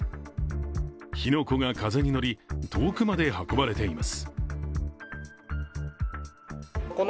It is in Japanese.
火の粉が風に乗り、遠くまで運ばれています。